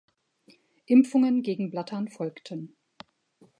Impfungen gegen Blattern folgten.